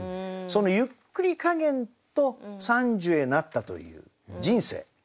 そのゆっくり加減と傘寿へなったという人生。